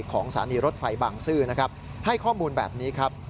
ของสารีรถไฟบางซื่อให้ข้อมูลแบบนี้ครับ